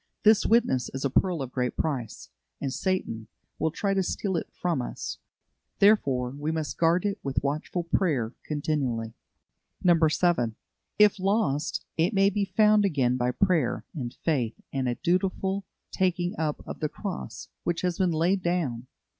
This witness is a pearl of great price, and Satan will try to steal it from us; therefore, we must guard it with watchful prayer continually. 7. If lost, it may be found again by prayer and faith and a dutiful taking up of the cross which has been laid down.